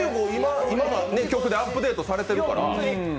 今の曲でアップデートされてるから。